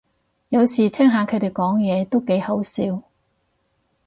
有時聽下佢哋講嘢都幾好笑